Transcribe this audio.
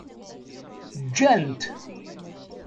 Ǧǧan-t.